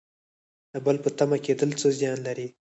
د بل په تمه کیدل څه زیان لري؟